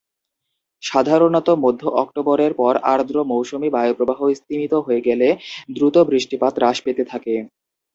সাধারণত মধ্য অক্টোবরের পর আর্দ্র মৌসুমি বায়ুপ্রবাহ স্তিমিত হয়ে গেলে দ্রুত বৃষ্টিপাত হ্রাস পেতে থাকে।